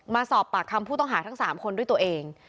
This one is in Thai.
มาสอบปากคำผู้ต้องหาทั้ง๓คนด้วยตัวเอง